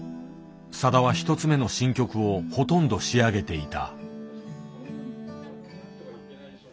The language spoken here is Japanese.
さだは１つ目の新曲をほとんど仕上げていた。